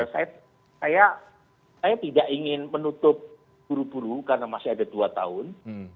saya tidak ingin menutup buru buru karena masih ada dua tahun